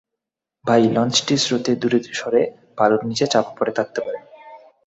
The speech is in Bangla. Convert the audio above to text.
তাই লঞ্চটি স্রোতে দূরে সরে বালুর নিচে চাপা পড়ে থাকতে পারে।